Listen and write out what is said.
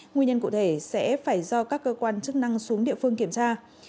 nguyên nhân cụ thể sẽ phải do các cơ quan chức năng xuống địa phương kiểm tra